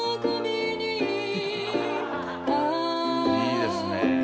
いいですねえ。